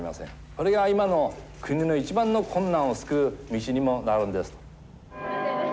これが今の国の一番の困難を救う道にもなるんです。